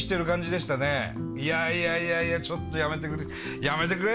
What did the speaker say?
いやいやいやいやちょっとやめてくれやめてくれ！